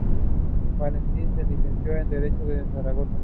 Valentín se licenció en Derecho en Zaragoza.